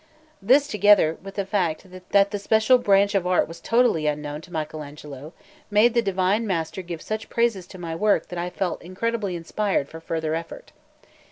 This, together with the fact that the special branch of art was totally unknown to Michel Agnolo, made the divine master give such praises to my work that I felt incredibly inspired for further effort.